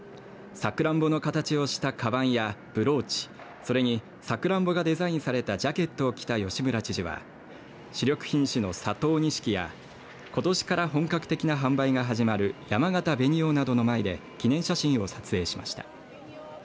さくらんぼの形をしたかばんやブローチそれに、さくらんぼがデザインされたジャケットを着た吉村知事は主力品種の佐藤錦やことしから本格的な販売が始まるやまがた紅王などの前で記念写真を撮影しました。